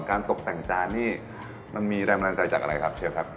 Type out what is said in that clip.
ตกแต่งจานนี่มันมีแรงบันดาลใจจากอะไรครับเชฟครับ